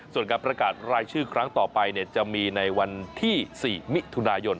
ส่วนการประกาศรายชื่อครั้งต่อไปจะมีในวันที่๔มิถุนายน